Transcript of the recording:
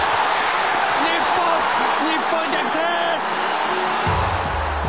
日本日本逆転！